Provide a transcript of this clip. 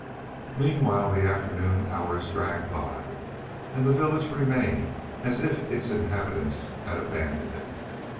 Meanwhile the afternoon hours dragged by and the village remained as if its inhabitants had abandoned it.